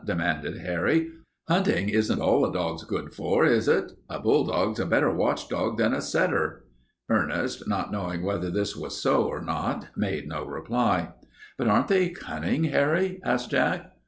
demanded Harry. "Hunting isn't all a dog's for, is it? A bulldog's a better watchdog than a setter." Ernest, not knowing whether this was so or not, made no reply. "But aren't they cunning, Harry?" asked Jack.